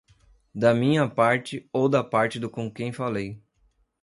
da minha parte ou da parte de com quem falei